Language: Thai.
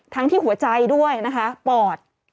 ที่หัวใจด้วยนะคะปอด